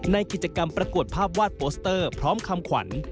ในกิจกรรมประกวดภาพวาดโปสเตอร์พร้อมคำขวัญ